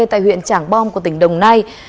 tại huyện trảng bom của tỉnh đồng nai